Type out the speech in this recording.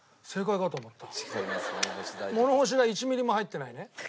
物干し台は１ミリも入ってない。